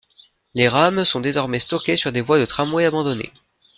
Les rames sont désormais stockées sur des voies de tramway abandonnées.